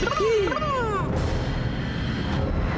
itu bukanlah kindergarten kita